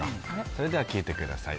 それでは聴いてください。